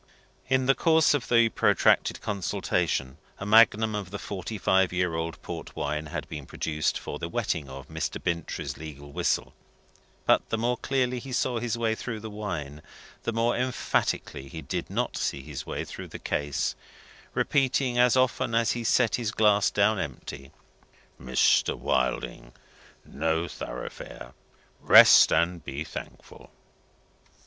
In the course of the protracted consultation, a magnum of the forty five year old port wine had been produced for the wetting of Mr. Bintrey's legal whistle; but the more clearly he saw his way through the wine, the more emphatically he did not see his way through the case; repeating as often as he set his glass down empty. "Mr. Wilding, No Thoroughfare. Rest and be thankful."